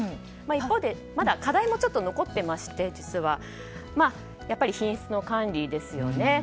一方でまだ課題もちょっと残っていましてやっぱり品質の管理ですよね。